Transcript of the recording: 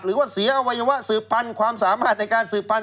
หรือว่าเสียอวัยวะสืบพันธุ์ความสามารถในการสืบพันธ